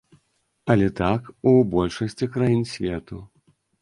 Але так у большасці краін свету.